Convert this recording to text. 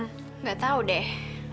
nggak tau deh